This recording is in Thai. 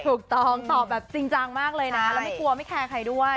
ถูกต้องตอบแบบจริงจังมากเลยนะแล้วไม่กลัวไม่แคร์ใครด้วย